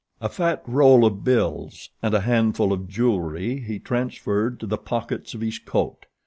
A fat roll of bills and a handful of jewelry he transferred to the pockets of his coat.